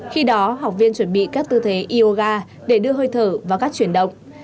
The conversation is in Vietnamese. khi đó học viên chuẩn bị các tư thế yoga để đưa hơi thở vào các chuyển động